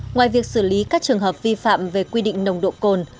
ngoài việc xử lý các trường hợp vi phạm về quy định nồng độ cồn